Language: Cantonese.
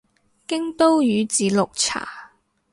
京都宇治綠茶